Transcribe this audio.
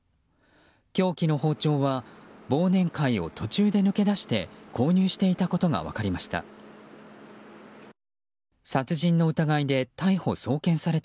凶器の包丁は忘年会を途中で抜け出して購入していたことが分かりました。